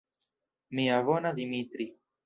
Mia bona Dimitri!